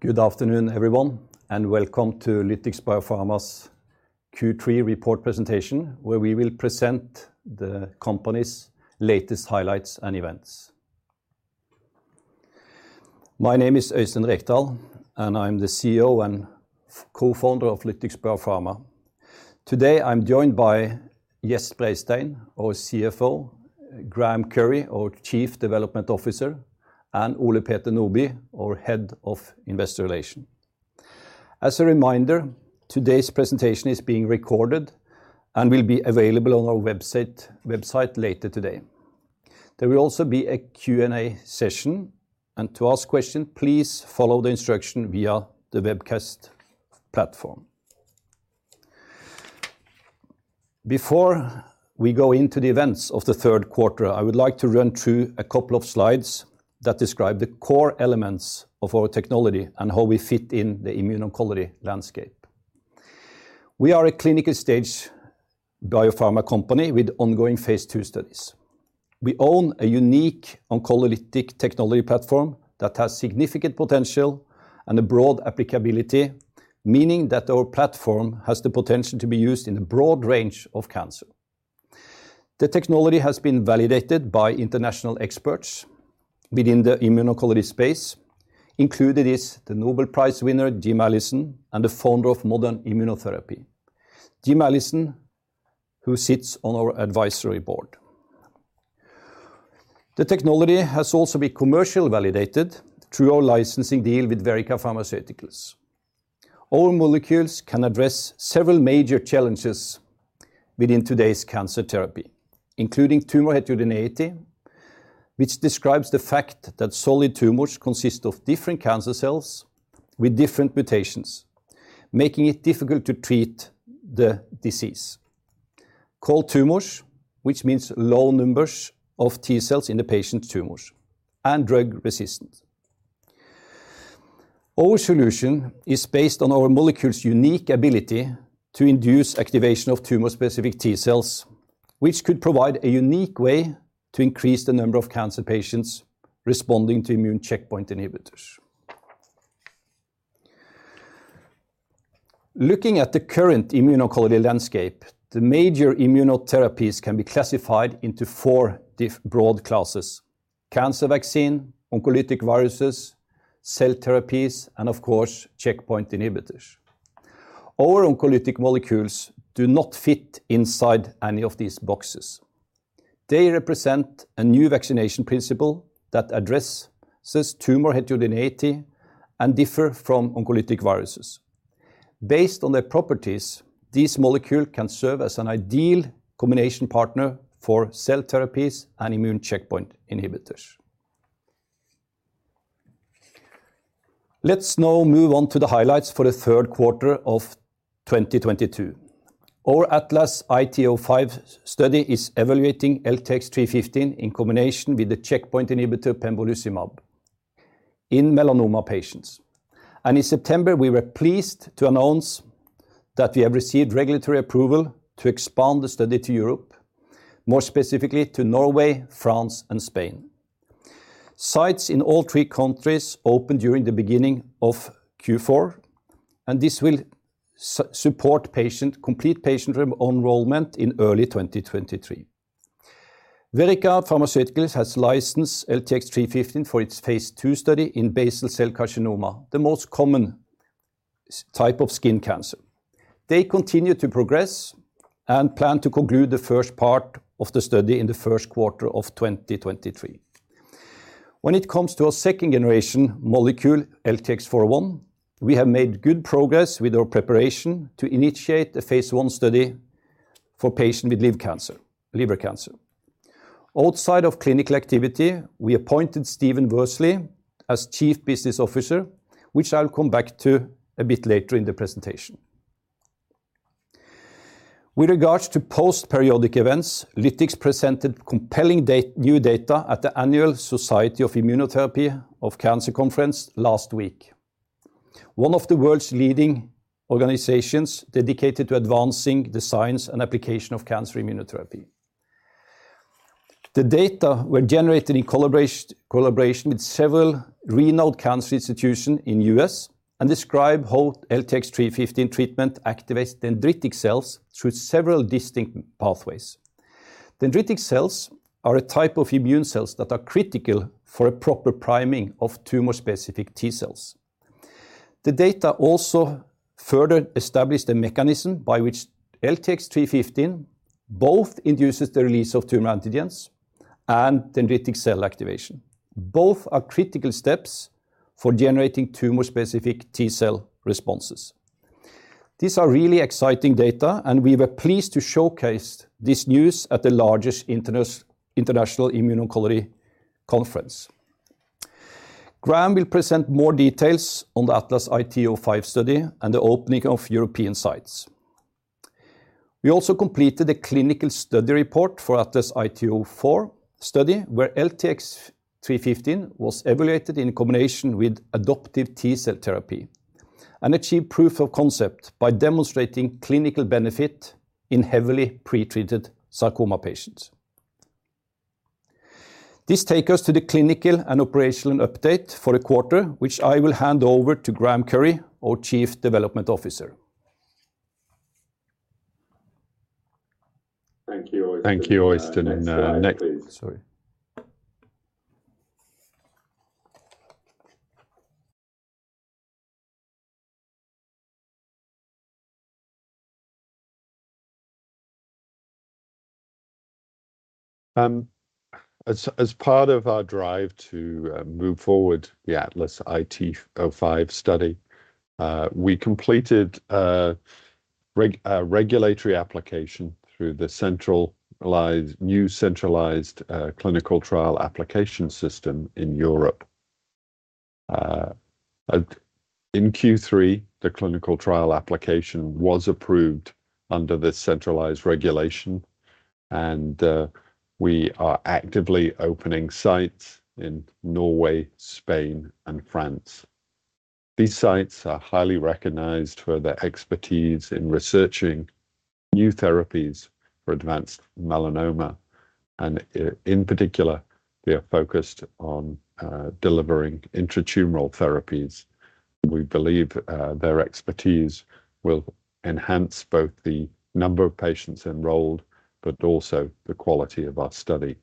Good afternoon, everyone, and welcome to Lytix Biopharma's Q3 report presentation, where we will present the company's latest highlights and events. My name is Øystein Rekdal, and I'm the CEO and Co-Founder of Lytix Biopharma. Today, I'm joined by Gjest Breistein, our CFO, Graeme Currie, our Chief Development Officer, and Ole Peter Nordby, our Head of Investor Relation. As a reminder, today's presentation is being recorded and will be available on our website later today. There will also be a Q&A session, and to ask question, please follow the instruction via the webcast platform. Before we go into the events of the third quarter, I would like to run through a couple of slides that describe the core elements of our technology and how we fit in the immuno-oncology landscape. We are a clinical-stage biopharma company with ongoing phase II studies. We own a unique oncolytic technology platform that has significant potential and a broad applicability, meaning that our platform has the potential to be used in a broad range of cancer. The technology has been validated by international experts within the immuno-oncology space. Included is the Nobel Prize winner Jim Allison and the founder of modern immunotherapy, Jim Allison, who sits on our Advisory Board. The technology has also been commercially validated through our licensing deal with Verrica Pharmaceuticals. Our molecules can address several major challenges within today's cancer therapy, including tumor heterogeneity, which describes the fact that solid tumors consist of different cancer cells with different mutations, making it difficult to treat the disease, cold tumors, which means low numbers of T-cells in the patient's tumors, and drug resistance. Our solution is based on our molecule's unique ability to induce activation of tumor-specific T cells, which could provide a unique way to increase the number of cancer patients responding to immune checkpoint inhibitors. Looking at the current immuno-oncology landscape, the major immunotherapies can be classified into four broad classes, cancer vaccine, oncolytic viruses, cell therapies, and of course, checkpoint inhibitors. Our oncolytic molecules do not fit inside any of these boxes. They represent a new vaccination principle that addresses tumor heterogeneity and differ from oncolytic viruses. Based on their properties, these molecule can serve as an ideal combination partner for cell therapies and immune checkpoint inhibitors. Let's now move on to the highlights for the third quarter of 2022. Our ATLAS-IT-05 study is evaluating LTX-315 in combination with the checkpoint inhibitor pembrolizumab in melanoma patients. In September, we were pleased to announce that we have received regulatory approval to expand the study to Europe, more specifically to Norway, France, and Spain. Sites in all three countries opened during the beginning of Q4, and this will complete patient enrollment in early 2023. Verrica Pharmaceuticals has licensed LTX-315 for its phase II study in basal cell carcinoma, the most common type of skin cancer. They continue to progress and plan to conclude the first part of the study in the first quarter of 2023. When it comes to a second-generation molecule, LTX-401, we have made good progress with our preparation to initiate a phase I study for patient with liver cancer. Outside of clinical activity, we appointed Stephen Worsley as Chief Business Officer, which I'll come back to a bit later in the presentation. With regards to post-periodic events, Lytix presented compelling new data at the Annual Society of Immunotherapy of Cancer Conference last week, one of the world's leading organizations dedicated to advancing the science and application of cancer immunotherapy. The data were generated in collaboration with several renowned cancer institution in U.S. and describe how LTX-315 treatment activates dendritic cells through several distinct pathways. Dendritic cells are a type of immune cells that are critical for a proper priming of tumor-specific T cells. The data also further established a mechanism by which LTX-315 both induces the release of tumor antigens and dendritic cell activation. Both are critical steps for generating tumor-specific T cell responses. These are really exciting data, and we were pleased to showcase this news at the largest International Immuno-oncology Conference. Graeme will present more details on the ATLAS-IT-04 study and the opening of European sites. We also completed a clinical study report for ATLAS-IT-04 study, where LTX-315 was evaluated in combination with adoptive T-cell therapy and achieved proof of concept by demonstrating clinical benefit in heavily pretreated sarcoma patients. This take us to the clinical and operational update for the quarter, which I will hand over to Graeme Currie, our Chief Development Officer. Thank you, Øystein. Next slide, please. Sorry. As part of our drive to move forward the ATLAS-IT-05 study, we completed a regulatory application through the new centralized clinical trial application system in Europe. In Q3, the clinical trial application was approved under the centralized regulation, and we are actively opening sites in Norway, Spain, and France. These sites are highly recognized for their expertise in researching new therapies for advanced melanoma, and in particular, they are focused on delivering intratumoral therapies. We believe their expertise will enhance both the number of patients enrolled but also the quality of our study.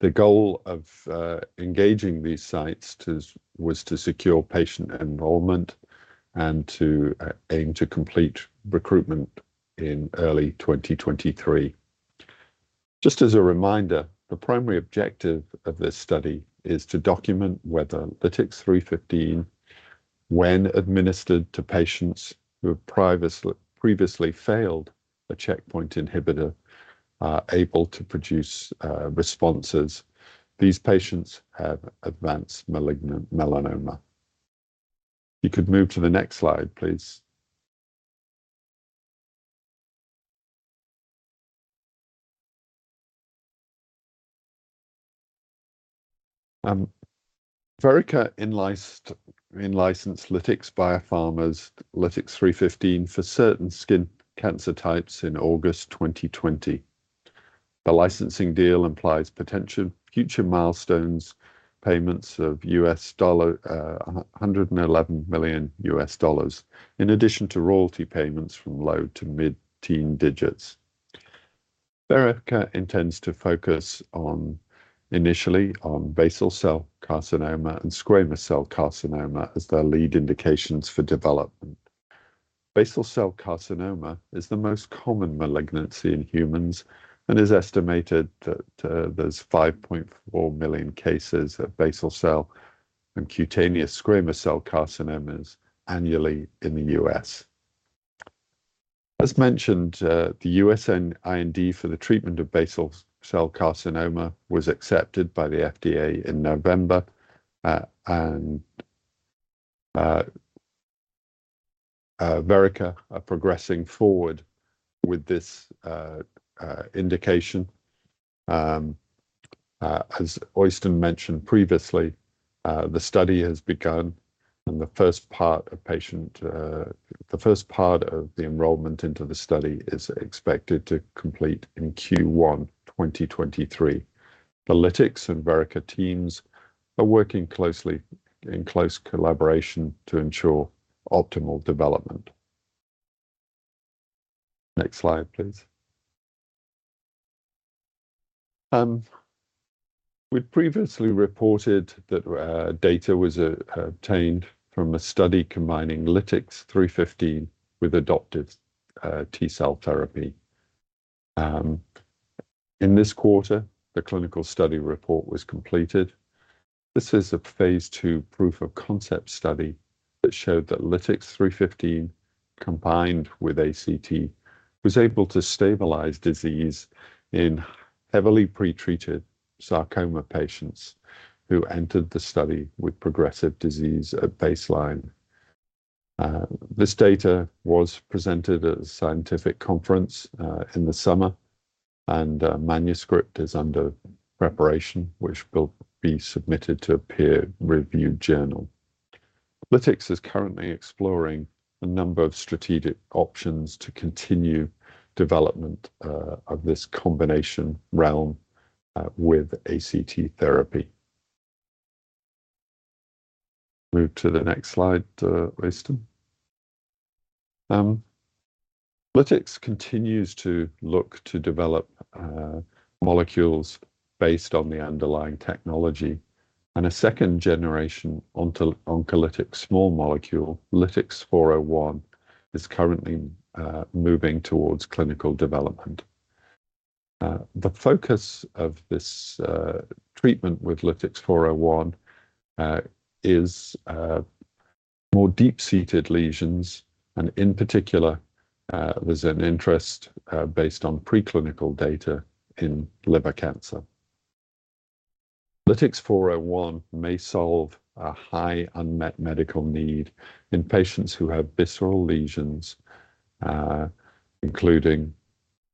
The goal of engaging these sites was to secure patient enrollment and to aim to complete recruitment in early 2023. Just as a reminder, the primary objective of this study is to document whether LTX-315, when administered to patients who have previously failed a checkpoint inhibitor, are able to produce responses. These patients have advanced malignant melanoma. You could move to the next slide, please. Verrica in-licensed Lytix Biopharma's LTX-315 for certain skin cancer types in August 2020. The licensing deal implies potential future milestones payments of US dollar $111 million in addition to royalty payments from low to mid-teen digits. Verrica intends to focus on, initially, on basal cell carcinoma and squamous cell carcinoma as their lead indications for development. Basal cell carcinoma is the most common malignancy in humans and is estimated that there's 5.4 million cases of basal cell and cutaneous squamous cell carcinomas annually in the U.S. As mentioned, the US IND for the treatment of basal cell carcinoma was accepted by the FDA in November. Verrica are progressing forward with this indication. As Øystein mentioned previously, the study has begun, and the first part of the enrollment into the study is expected to complete in Q1 2023. The Lytix and Verrica teams are working closely in close collaboration to ensure optimal development. Next slide, please. We'd previously reported that data was obtained from a study combining LTX-315 with adoptive T-cell therapy. In this quarter, the clinical study report was completed. This is a phase II proof of concept study that showed that LTX-315 combined with ACT was able to stabilize disease in heavily pretreated sarcoma patients who entered the study with progressive disease at baseline. This data was presented at a scientific conference in the summer, and a manuscript is under preparation, which will be submitted to a peer review journal. Lytix is currently exploring a number of strategic options to continue development of this combination realm with ACT therapy. Move to the next slide, Øystein. Lytix continues to look to develop molecules based on the underlying technology. A second-generation oncolytic small molecule, LTX-401, is currently moving towards clinical development. The focus of this treatment with LTX-401 is more deep-seated lesions, and in particular, there's an interest based on preclinical data in liver cancer. LTX-401 may solve a high unmet medical need in patients who have visceral lesions, including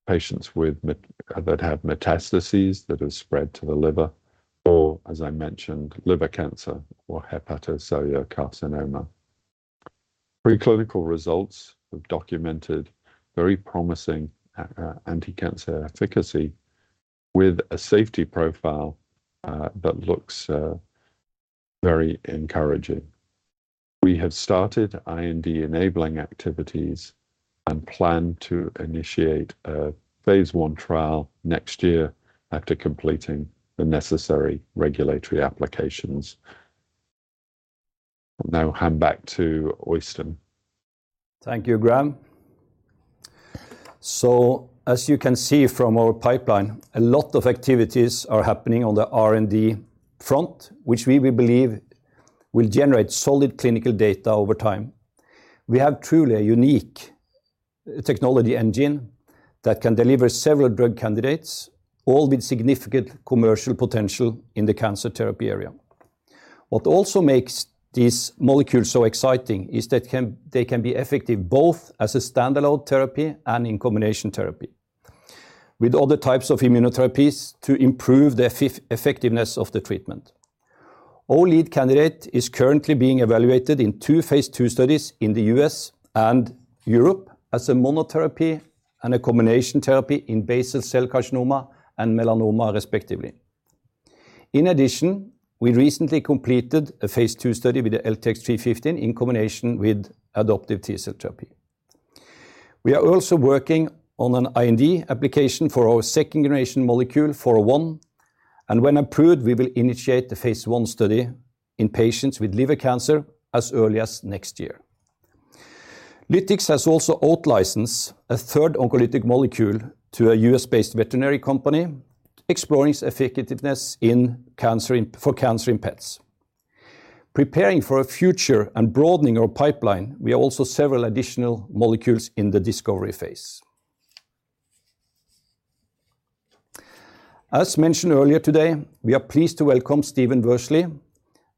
patients that have metastases that have spread to the liver or, as I mentioned, liver cancer or hepatocellular carcinoma. Preclinical results have documented very promising anticancer efficacy with a safety profile that looks very encouraging. We have started IND-enabling activities and plan to initiate a phase I trial next year after completing the necessary regulatory applications. I'll now hand back to Øystein. Thank you, Graeme. As you can see from our pipeline, a lot of activities are happening on the R&D front, which we believe will generate solid clinical data over time. We have truly a unique technology engine that can deliver several drug candidates, all with significant commercial potential in the cancer therapy area. What also makes these molecules so exciting is that they can be effective both as a standalone therapy and in combination therapy with other types of immunotherapies to improve the effectiveness of the treatment. Our lead candidate is currently being evaluated in two phase II studies in the U.S. and Europe as a monotherapy and a combination therapy in basal cell carcinoma and melanoma respectively. In addition, we recently completed a phase II study with the LTX-315 in combination with adoptive T-cell therapy. We are also working on an IND application for our second-generation molecule LTX-401, and when approved, we will initiate the phase I study in patients with liver cancer as early as next year. Lytix has also out-licensed a third oncolytic molecule to a US-based veterinary company exploring its effectiveness for cancer in pets. Preparing for a future and broadening our pipeline, we have also several additional molecules in the discovery phase. As mentioned earlier today, we are pleased to welcome Stephen Worsley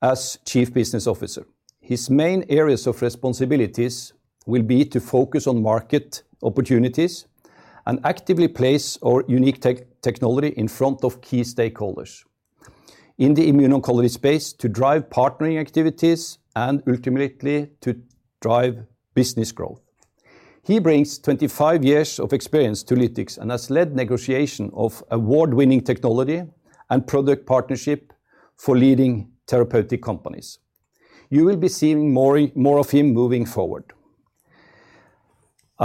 as Chief Business Officer. His main areas of responsibilities will be to focus on market opportunities and actively place our unique technology in front of key stakeholders in the immuno-oncology space to drive partnering activities and ultimately to drive business growth. He brings 25 years of experience to Lytix and has led negotiation of award-winning technology and product partnership for leading therapeutic companies. You will be seeing more of him moving forward.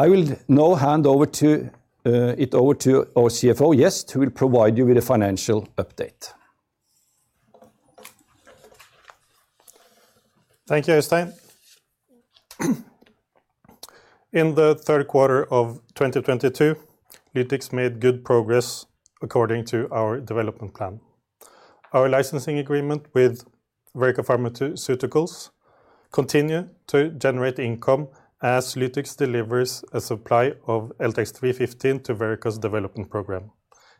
I will now hand it over to our CFO, Gjest, who will provide you with a financial update. Thank you, Øystein. In the third quarter of 2022, Lytix made good progress according to our development plan. Our licensing agreement with Verrica Pharmaceuticals continue to generate income as Lytix delivers a supply of LTX-315 to Verrica's development program.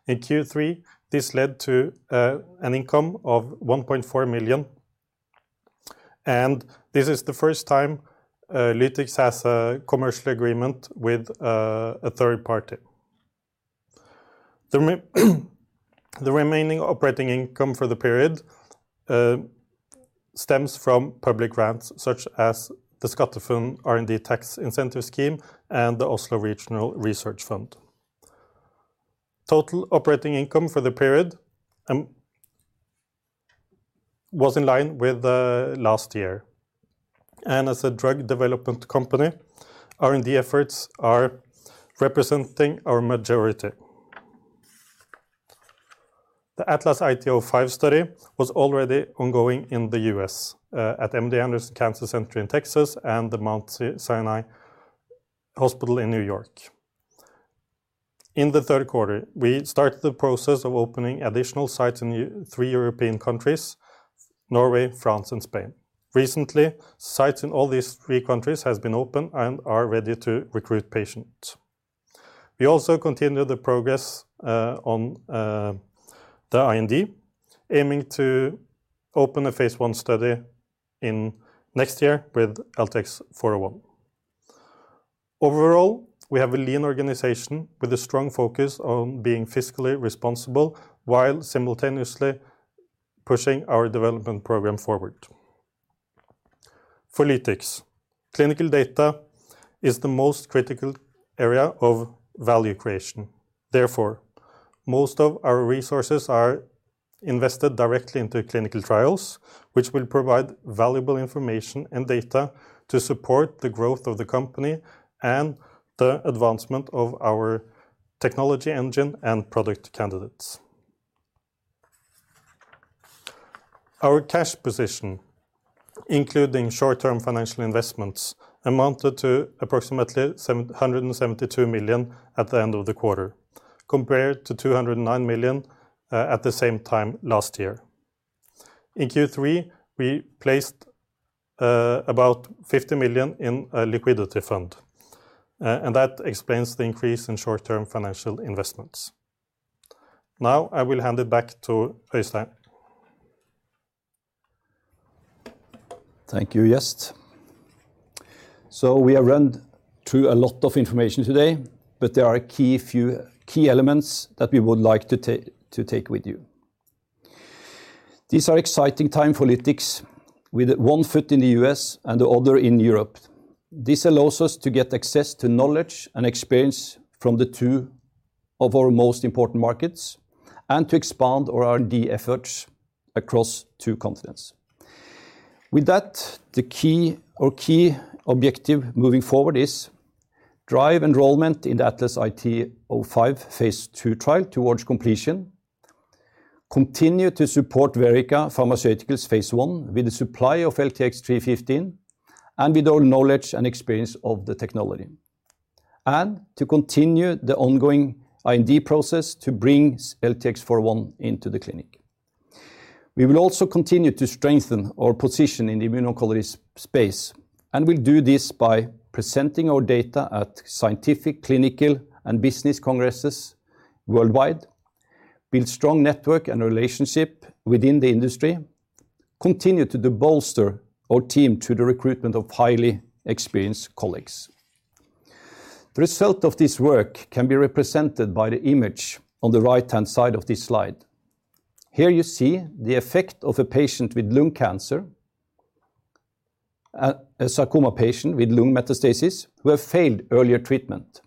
In Q3, this led to, uh, an income of one point four million, and this is the first time, Lytix has a commercial agreement with, uh, a third party. The re- the remaining operating income for the period, uh, stems from public grants such as the SkatteFUNN R&D tax incentive scheme and the Oslo Regional Research Fund. Total operating income for the period, um, was in line with, uh, last year. And as a drug development company, R&D efforts are representing our majority. The ATLAS-IT-05 study was already ongoing in the U.S., uh, at MD Anderson Cancer Center in Texas and the Mount Sinai Hospital in New York. In the third quarter, we started the process of opening additional sites in three European countries, Norway, France, and Spain. Recently, sites in all these three countries has been opened and are ready to recruit patients. We also continued the progress on the IND, aiming to open a phase I study in next year with LTX-401. Overall, we have a lean organization with a strong focus on being fiscally responsible while simultaneously pushing our development program forward. For Lytix, clinical data is the most critical area of value creation. Therefore, most of our resources are invested directly into clinical trials, which will provide valuable information and data to support the growth of the company and the advancement of our technology engine and product candidates. Our cash position, including short-term financial investments, amounted to approximately 772 million at the end of the quarter, compared to 209 million at the same time last year. In Q3, we placed about 50 million in a liquidity fund, and that explains the increase in short-term financial investments. Now I will hand it back to Øystein. Thank you, Gjest. We have run through a lot of information today, but there are key elements that we would like to take with you. These are exciting time for Lytix with one foot in the U.S. and the other in Europe. This allows us to get access to knowledge and experience from the two of our most important markets and to expand our R&D efforts across two continents. With that, the key objective moving forward is drive enrollment in the ATLAS-IT-05 phase II trial towards completion. Continue to support Verrica Pharmaceuticals phase I with the supply of LTX-315 and with all knowledge and experience of the technology. To continue the ongoing IND process to bring LTX-401 into the clinic. We will also continue to strengthen our position in the immuno-oncology space. We'll do this by presenting our data at scientific, clinical, and business congresses worldwide, build strong network and relationship within the industry, continue to bolster our team through the recruitment of highly experienced colleagues. The result of this work can be represented by the image on the right-hand side of this slide. Here you see the effect of a sarcoma patient with lung metastasis who have failed earlier treatment.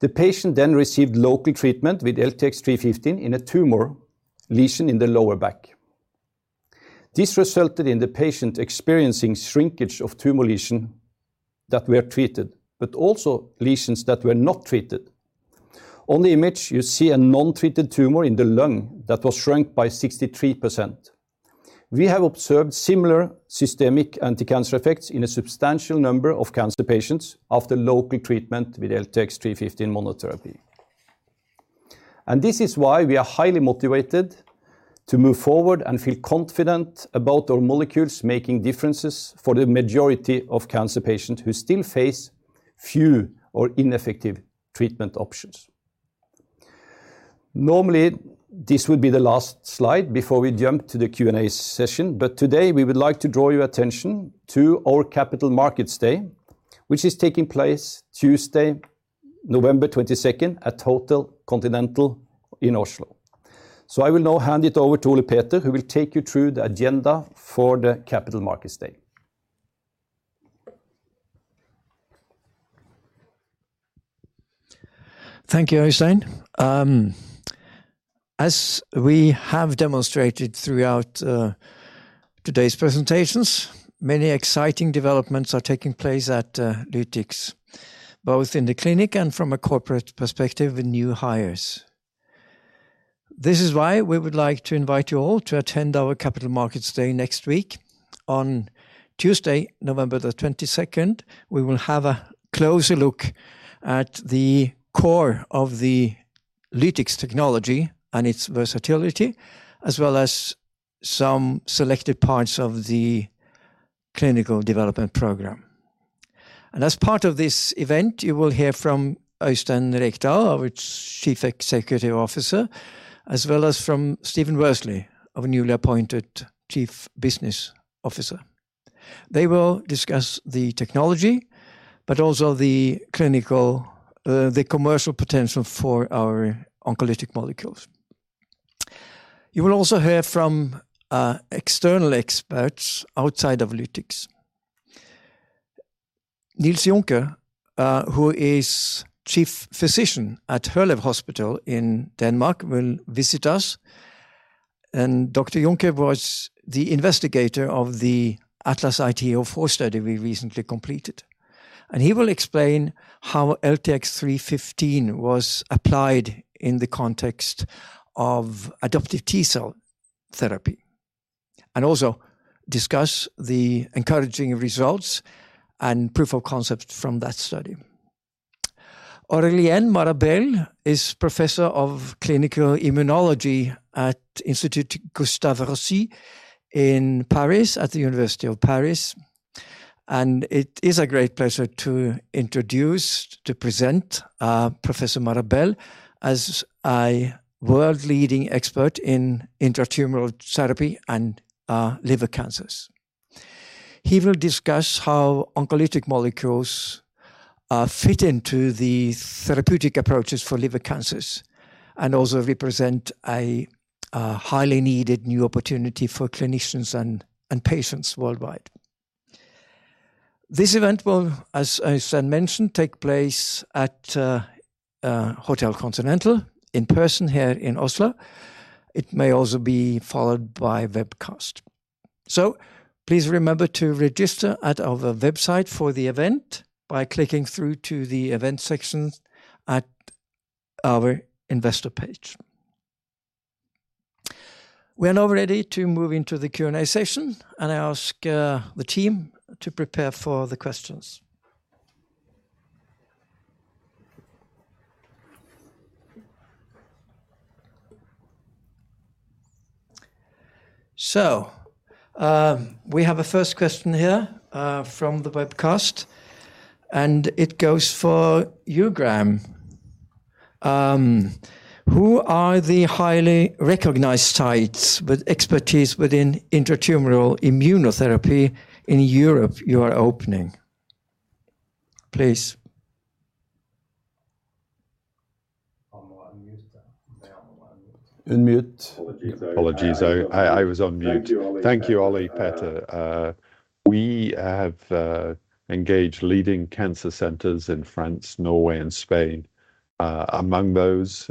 The patient then received local treatment with LTX-315 in a tumor lesion in the lower back. This resulted in the patient experiencing shrinkage of tumor lesion that were treated, but also lesions that were not treated. On the image, you see a non-treated tumor in the lung that was shrunk by 63%. We have observed similar systemic anticancer effects in a substantial number of cancer patients after local treatment with LTX-315 monotherapy. This is why we are highly motivated to move forward and feel confident about our molecules making differences for the majority of cancer patients who still face few or ineffective treatment options. Normally, this would be the last slide before we jump to the Q&A session. Today, we would like to draw your attention to our Capital Markets Day, which is taking place Tuesday, November 22nd at Hotel Continental in Oslo. I will now hand it over to Ole Peter, who will take you through the agenda for the Capital Markets Day. Thank you, Øystein. As we have demonstrated throughout today's presentations, many exciting developments are taking place at Lytix, both in the clinic and from a corporate perspective with new hires. This is why we would like to invite you all to attend our Capital Markets Day next week. On Tuesday, November the 22nd, we will have a closer look at the core of the Lytix technology and its versatility, as well as some selected parts of the clinical development program. As part of this event, you will hear from Øystein Rekdal, our Chief Executive Officer, as well as from Stephen Worsley, our newly appointed Chief Business Officer. They will discuss the technology, but also the commercial potential for our oncolytic molecules. You will also hear from external experts outside of Lytix. Niels Junker, who is Chief Physician at Herlev Hospital in Denmark, will visit us. Dr. Junker was the investigator of the ATLAS-IT-04 study we recently completed. He will explain how LTX-315 was applied in the context of adoptive T-cell therapy, and also discuss the encouraging results and proof of concept from that study. Aurélien Marabelle is Professor of Clinical Immunology at Institut Gustave Roussy in Paris at the University of Paris. It is a great pleasure to present Professor Marabelle as a world leading expert in intratumoral therapy and liver cancers. He will discuss how oncolytic molecules fit into the therapeutic approaches for liver cancers, and also represent a highly needed new opportunity for clinicians and patients worldwide. This event will, as I mentioned, take place at Hotel Continental in person here in Oslo. It may also be followed by webcast. Please remember to register at our website for the event by clicking through to the events section at our investor page. We are now ready to move into the Q&A session, and I ask the team to prepare for the questions. We have a first question here from the webcast, and it goes for you, Graeme. Who are the highly recognized sites with expertise within intratumoral immunotherapy in Europe you are opening? Please. On the unmute. Unmute. Apologies. I was on mute. Thank you, Ole Peter. Thank you, Ole Peter. We have engaged leading cancer centers in France, Norway, and Spain. Among those,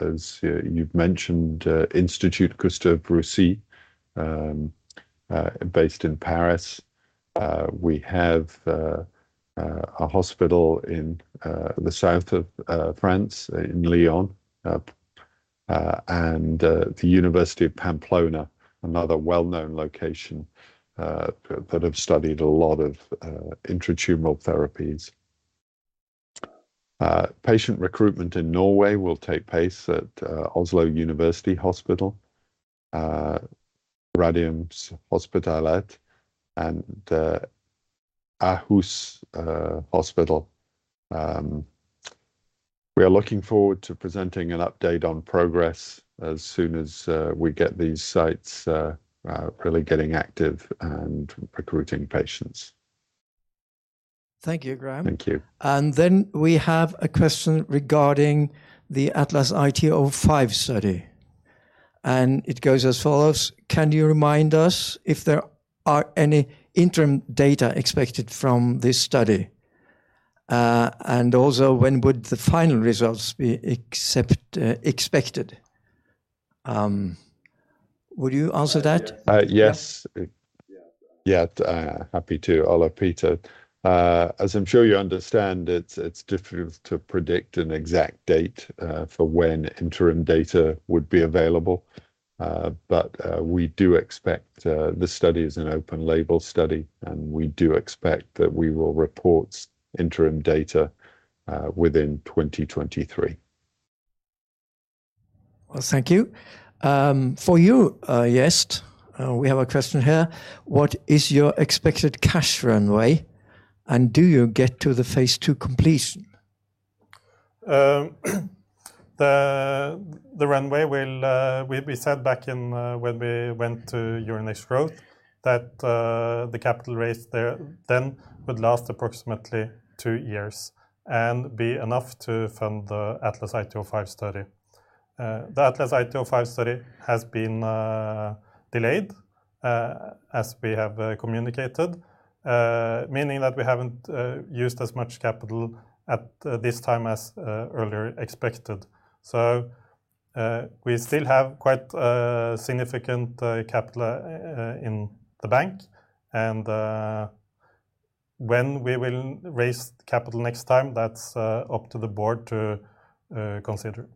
as you've mentioned, Institut Gustave Roussy, based in Paris. We have a hospital in the south of France in Lyon. The University of Navarra, another well-known location, that have studied a lot of intratumoral therapies. Patient recruitment in Norway will take place at Oslo University Hospital, Radiumhospitalet, and Ahus Hospital. We are looking forward to presenting an update on progress as soon as we get these sites really getting active and recruiting patients. Thank you, Graeme. Thank you. We have a question regarding the ATLAS-IT-05 study, and it goes as follows. Can you remind us if there are any interim data expected from this study? Also, when would the final results be expected? Would you answer that? Yes. Yes. Yeah. Happy to, Ole Peter. As I'm sure you understand, it's difficult to predict an exact date for when interim data would be available. The study is an open-label study, and we do expect that we will report interim data within 2023. Well, thank you. For you, Gjest, we have a question here. What is your expected cash runway, and do you get to the phase II completion? We said when we went to Euronext Growth that the capital raised there then would last approximately two years and be enough to fund the ATLAS-IT-05 study. The ATLAS-IT-05 study has been delayed as we have communicated, meaning that we haven't used as much capital at this time as earlier expected. We still have quite significant capital in the bank, and when we will raise capital next time, that's up to the board to consider.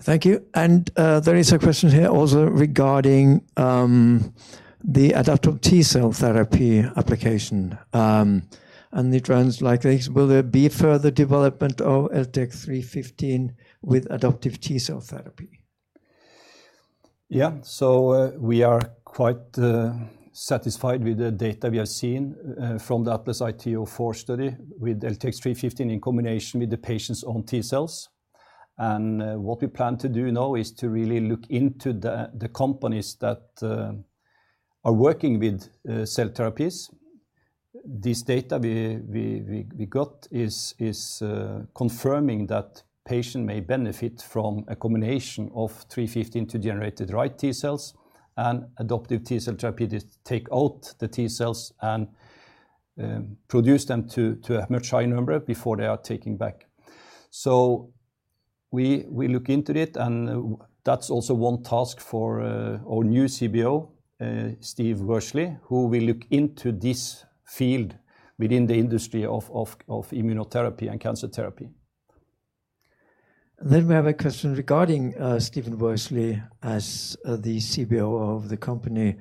Thank you. There is a question here also regarding the adoptive T-cell therapy application and the like. Will there be further development of LTX-315 with adoptive T-cell therapy? Yeah. We are quite satisfied with the data we have seen from the ATLAS-IT-04 study with LTX-315 in combination with the patient's own T-cells. What we plan to do now is to really look into the companies that are working with cell therapies. This data we got is confirming that patient may benefit from a combination of LTX-315 to generate the right T-cells and adoptive T-cell therapy to take out the T-cells and produce them to a much high number before they are taking back. We look into it, and that's also one task for our new CBO, Stephen Worsley, who will look into this field within the industry of immunotherapy and cancer therapy. We have a question regarding Stephen Worsley as the CBO of the company.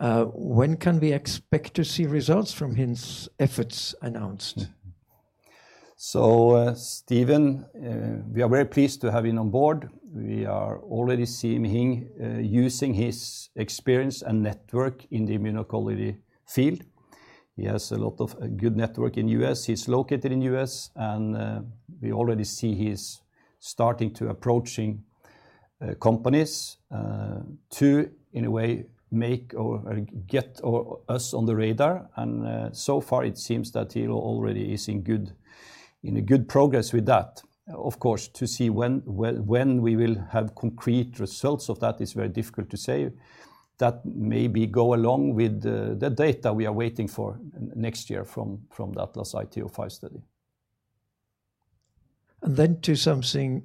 When can we expect to see results from his efforts announced? Stephen Worsley, we are very pleased to have him on board. We are already seeing him using his experience and network in the immuno-oncology field. He has a lot of good network in U.S. He's located in U.S. We already see he's starting to approaching companies to, in a way, make or get us on the radar. So far it seems that he already is in a good progress with that. Of course, to see when we will have concrete results of that is very difficult to say. That maybe go along with the data we are waiting for next year from the ATLAS-IT-05 study. To something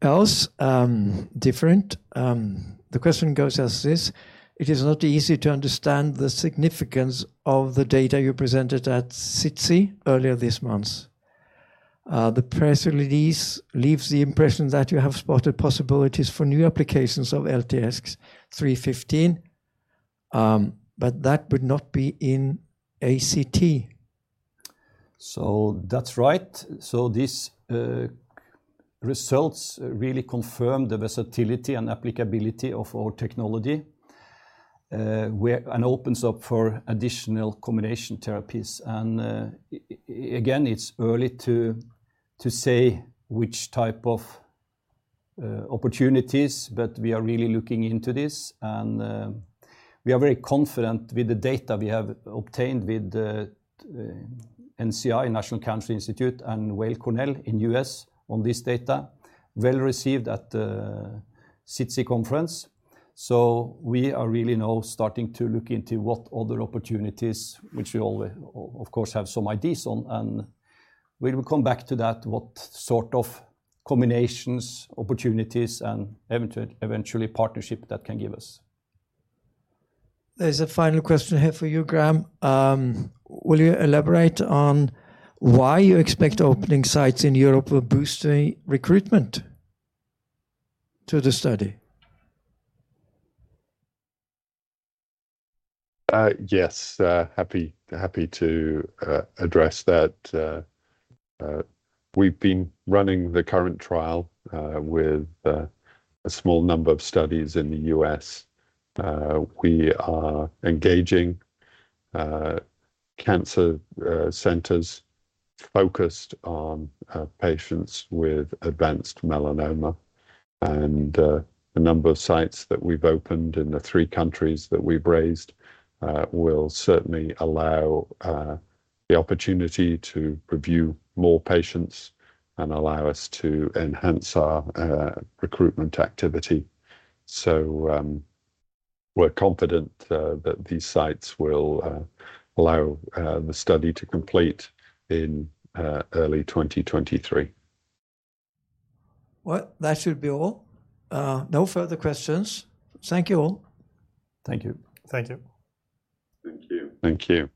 else, different. The question goes as this. It is not easy to understand the significance of the data you presented at SITC earlier this month. The press release leaves the impression that you have spotted possibilities for new applications of LTX-315, but that would not be in ACT. That's right. These results really confirm the versatility and applicability of our technology and opens up for additional combination therapies. Again, it's early to say which type of opportunities, but we are really looking into this and we are very confident with the data we have obtained with the NCI, National Cancer Institute, and Weill Cornell in U.S. on this data. Well received at the SITC conference. We are really now starting to look into what other opportunities, which we all, of course, have some ideas on. We will come back to that, what sort of combinations, opportunities, and eventually partnership that can give us. There's a final question here for you, Graeme. Will you elaborate on why you expect opening sites in Europe will boost the recruitment to the study? Yes. Happy to address that. We've been running the current trial with a small number of studies in the U.S. We are engaging cancer centers focused on patients with advanced melanoma. The number of sites that we've opened in the three countries that we've raised will certainly allow the opportunity to review more patients and allow us to enhance our recruitment activity. We're confident that these sites will allow the study to complete in early 2023. Well, that should be all. No further questions. Thank you all. Thank you. Thank you. Thank you.